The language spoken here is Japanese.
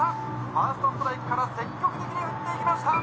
「ファーストストライクから積極的に振っていきました！」